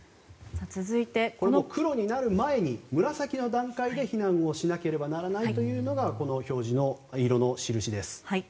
この黒になる前に紫の段階で避難をしなければならないというのが表示の色の印です。